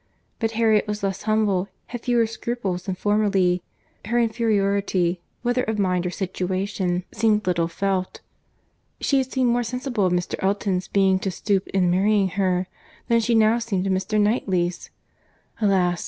—But Harriet was less humble, had fewer scruples than formerly.—Her inferiority, whether of mind or situation, seemed little felt.—She had seemed more sensible of Mr. Elton's being to stoop in marrying her, than she now seemed of Mr. Knightley's.—Alas!